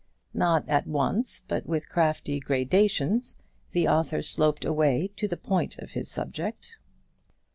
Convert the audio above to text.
Not at once, but with crafty gradations, the author sloped away to the point of his subject.